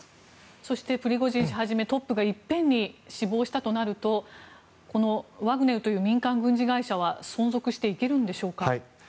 そしてプリゴジン氏をはじめトップがいっぺんに死亡したとなるとワグネルという民間軍事会社は存続していけるのでしょうか。